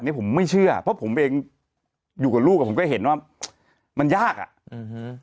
นี้ผมไม่เชื่อเพราะผมเองอยู่กับลูกก็เห็นว่ามันยากอ่ะ